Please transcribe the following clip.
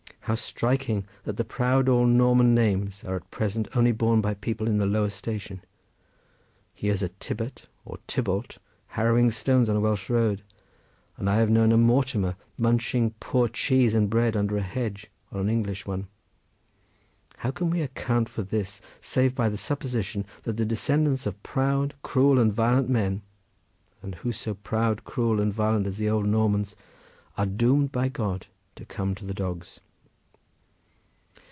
How striking that the proud old Norman names are at present only borne by people in the lowest station. Here's a Tibbot, or Tibault, harrowing stones on a Welsh road, and I have known a Mortimer munching poor cheese and bread under a hedge on an English one. How can we account for this save by the supposition that the descendants of proud, cruel and violent men—and who so proud, cruel and violent as the old Normans—are doomed by God to come to the dogs?"